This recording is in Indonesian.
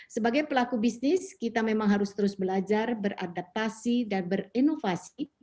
sebagai pelaku bisnis kita memang harus terus belajar beradaptasi dan berinovasi